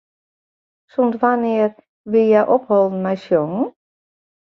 Sûnt wannear wie hja opholden mei sjongen?